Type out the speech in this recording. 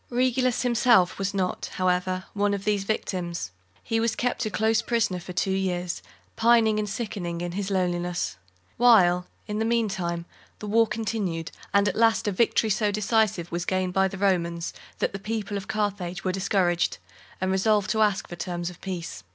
Regulus himself was not, however, one of these victims. He was kept a close prisoner for two years, pining and sickening in his loneliness; while, in the meantime, the war continued, and at last a victory so decisive was gained by the Romans, that the people of Carthage were discouraged, and resolved to ask terms of peace.